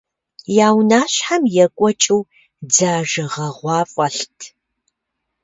Я унащхьэм екӏуэкӏыу дзажэ гъэгъуа фӏэлът.